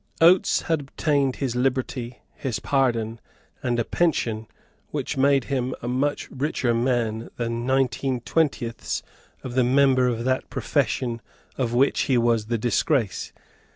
Oates had obtained his liberty, his pardon, and a pension which made him a much richer man than nineteen twentieths of the members of that profession of which he was the disgrace.